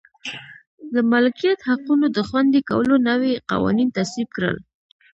د مالکیت حقونو د خوندي کولو نوي قوانین تصویب کړل.